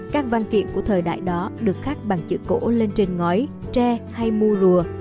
các văn kiện của thời đại đó được khắc bằng chữ cổ lên trên ngói tre hay mua rùa